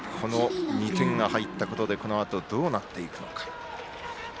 ２点が入ったことでこのあと、どうなっていくのか。